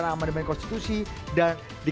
gak tau saya